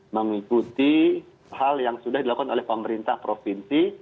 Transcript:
mengikuti hal yang sudah dilakukan oleh pemerintah provinsi